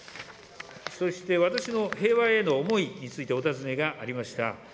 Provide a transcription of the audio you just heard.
そして、私の平和への思いについてお尋ねがありました。